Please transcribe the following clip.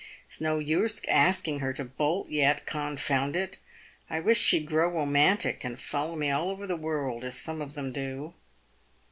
It's no use asking her to bolt yet, confound it ! I wish she'd grow romantic and follow me all over the world as some of them do."